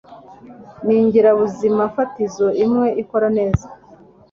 n ingirabuzimafatizo imwe ikora neza